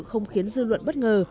không khiến dư luận bất ngờ